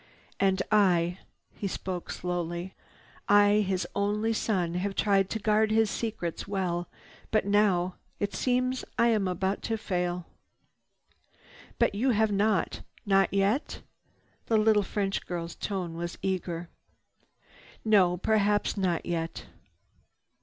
"And I—" he spoke slowly. "I, his only son, have tried to guard his secrets well. But now it seems I am about to fail." "But you have not. Not yet?" The little French girl's tone was eager. "No, perhaps not yet."